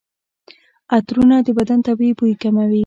عطرونه د بدن طبیعي بوی کموي.